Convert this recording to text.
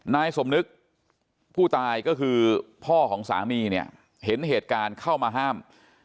นายสมนึกผู้ตายก็คือพ่อของสามีเนี่ยเห็นเหตุการณ์เข้ามาห้าม